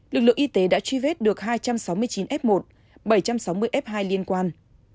lực lượng y tế đã truy vết được hai trăm sáu mươi chín f một bảy trăm sáu mươi f hai liên quan